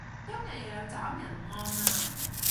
今日又有斬人案喇